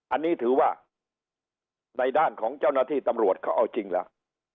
อันนี้ถือว่าในด้านของเจ้าหน้าที่ตำรวจเขาเอาจริงแล้ว